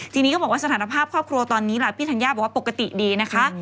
ทีนี้ก็บอกว่าสถานภาพครอบครัวตอนนี้ล่ะพี่ธัญญาบอกว่าปกติดีนะคะ